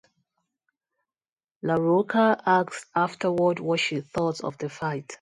LaRocca asks afterward what she thought of the fight.